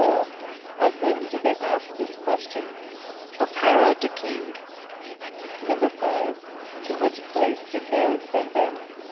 = Of whom did they ask this question? =Of H[)e]r´od the king.= =5.= To which place did H[)e]r´od send them?